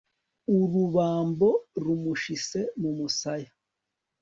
urubambo rumushise mu musaya